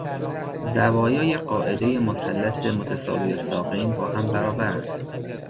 زوایای قاعدهی مثلث متساویالساقین با هم برابرند.